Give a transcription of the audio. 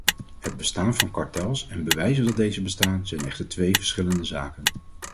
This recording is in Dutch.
Het bestaan van kartels en bewijzen dat deze bestaan, zijn echter twee verschillende zaken.